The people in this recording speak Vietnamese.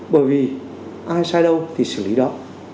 bởi vì ai sai đâu thì xử lý đó